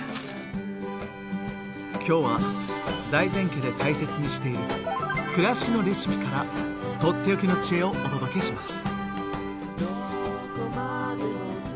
今日は財前家で大切にしている「暮らしのレシピ」からとっておきの知恵をお届けします。